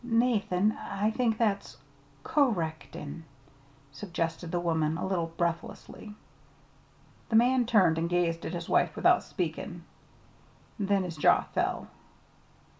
"Nathan, I I think that's 'co rectin','" suggested the woman, a little breathlessly. The man turned and gazed at his wife without speaking. Then his jaw fell.